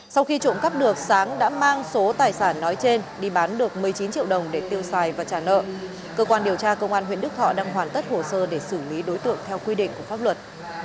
sau khi trộm cắp được sáng đã mang số tài sản nói trên đi bán được một mươi chín triệu đồng để tiêu xài và trả nợ cơ quan điều tra công an huyện đức thọ đang hoàn tất hồ sơ để xử lý đối tượng theo quy định của pháp luật